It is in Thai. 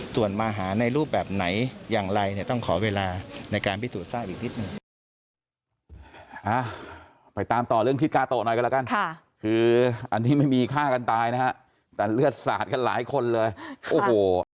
ส่วนมาหาในรูปแบบไหนอย่างไรเนี่ยต้องขอเวลาในการพิสูจน์ทราบอีกนิดหนึ่ง